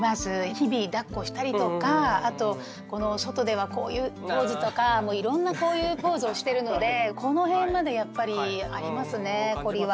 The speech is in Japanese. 日々だっこしたりとかあと外ではこういうポーズとかもういろんなこういうポーズをしてるのでこの辺までやっぱりありますね凝りは。